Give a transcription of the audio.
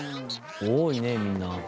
多いねみんな。